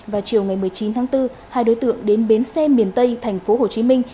vào chiều ngày một mươi chín tháng bốn hai đối tượng đến bến xe miền tây thành phố hồ chí minh